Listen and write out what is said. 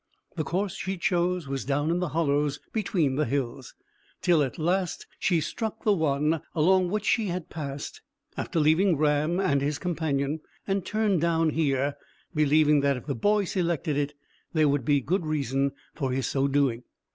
The course she chose was down in the hollows between the hills, till at last she struck the one along which she had passed after leaving Ram and his companion, and turned down here, believing that, if the boy selected it, there would be good reason for his so doing.